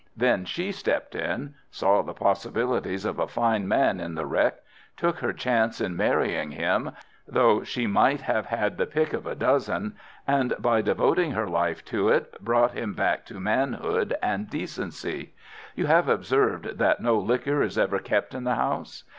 Then she stepped in, saw the possibilities of a fine man in the wreck, took her chance in marrying him, though she might have had the pick of a dozen, and, by devoting her life to it, brought him back to manhood and decency. You have observed that no liquor is ever kept in the house.